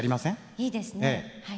いいですねはい。